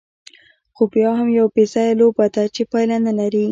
خو بیا هم یوه بېځایه لوبه ده، چې پایله نه لري.